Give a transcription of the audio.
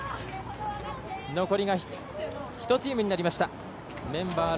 残りが１チームになりました。